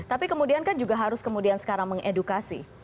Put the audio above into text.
tapi kemudian kan juga harus kemudian sekarang mengedukasi